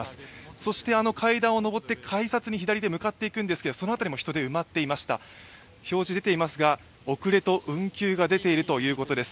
そして、あの階段を上って改札には左に行くんですが、その辺りも人で埋まっていました、表示には遅れと運休が出ているということです。